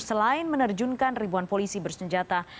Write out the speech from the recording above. selain menerjunkan ribuan polisi bersenjata